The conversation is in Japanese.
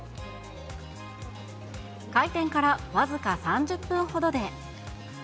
開店から僅か３０分ほどで。